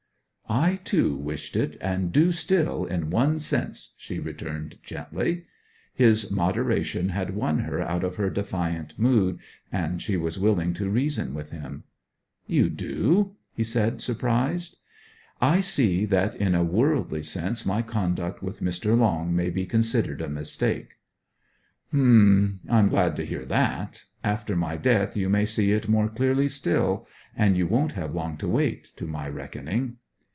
'I, too, wished it and do still, in one sense,' she returned gently. His moderation had won her out of her defiant mood, and she was willing to reason with him. 'You do?' he said surprised. 'I see that in a worldly sense my conduct with Mr. Long may be considered a mistake.' 'H'm I am glad to hear that after my death you may see it more clearly still; and you won't have long to wait, to my reckoning.'